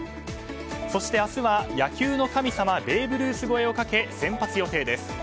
そして、明日は野球の神様ベーブ・ルース超えをかけ先発予定です。